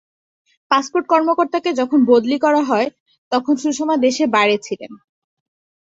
Passport কর্মকর্তাকে যখন বদলি করা হয়, তখন সুষমা দেশের বাইরে ছিলেন।